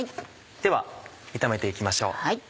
では炒めて行きましょう。